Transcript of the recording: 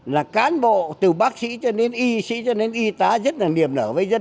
là cán bộ từ bác sĩ cho đến y sĩ cho đến y tá rất là niềm nở với dân